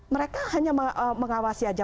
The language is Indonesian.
mereka hanya mengawasi aja